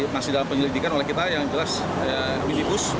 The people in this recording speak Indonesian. masih dalam penyelidikan oleh kita yang jelas minibus